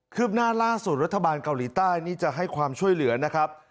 ืบหน้าล่าสุดรัฐบาลเกาหลีใต้นี่จะให้ความช่วยเหลือนะครับ